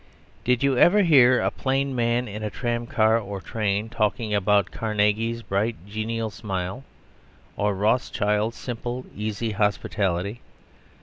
Did you ever hear a plain man in a tramcar or train talking about Carnegie's bright genial smile or Rothschild's simple, easy hospitality?